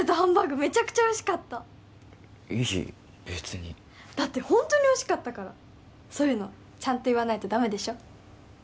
めちゃくちゃおいしかったいい別にだってホントにおいしかったからそういうのちゃんと言わないとダメでしょ？